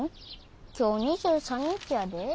今日２３日やで。